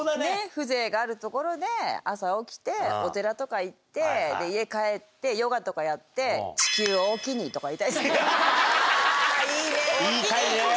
風情がある所で朝起きて、お寺とか行って、家帰って、ヨガとかやって、言いたいね。